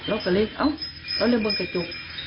เราก็เลยเฮ้ยเรามันเรียกบนเก้าจุก